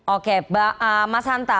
oke mas hanta